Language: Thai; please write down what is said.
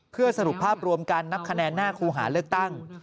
เพื่อสรุปภาพรวมการนับคะแนนหน้าครูหาเลือกตั้ง